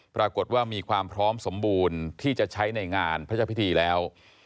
ปรากฏว่ามีความพร้อมสมบูรณ์ที่จะใช้ในงานพระเจ้าพิธีแล้ว